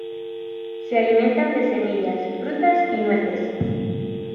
Se alimentan de semillas, frutas y nueces.